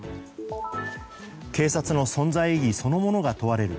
警察の存在意義そのものが問われる。